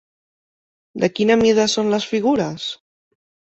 De quina mida són les figures?